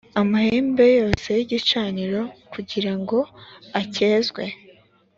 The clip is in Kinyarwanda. amahembe yose y’igicaniro kugira ngo acyeze